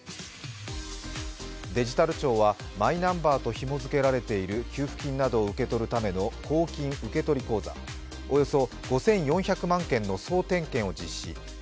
デジタル庁はマイナンバーとひも付けられている給付金などを受け取るための公金受取口座、およそ５４００万件の総点検を実施。